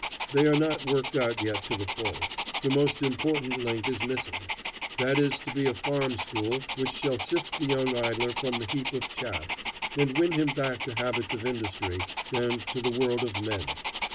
They are not worked out yet to the full. The most important link is missing. That is to be a farm school which shall sift the young idler from the heap of chaff, and win him back to habits of industry and to the world of men.